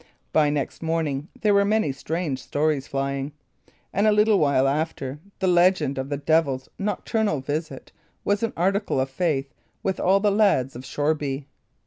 By next morning there were many strange stories flying; and a little while after, the legend of the devil's nocturnal visit was an article of faith with all the lads of Shoreby.